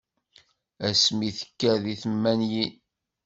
Ass mi tekker di tmanyin.